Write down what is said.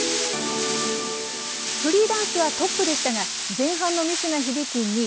フリーダンスはトップでしたが、前半のミスが響き２位。